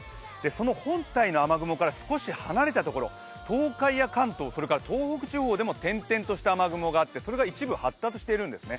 その本体の雨雲から少し離れたところ、東海や関東、それから東北地方にも点々とした雨雲があってそれが一部発達しているんですね。